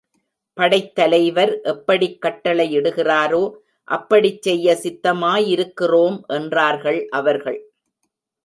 படைத் தலைவர் எப்படிக் கட்டளையிடுகிறாரோ அப்படிச் செய்ய சித்தமாயிருக்கிறோம் என்றார்கள் அவர்கள்.